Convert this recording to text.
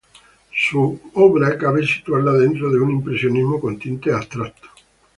Su obra cabe situarla dentro de un impresionismo con tintes abstractos.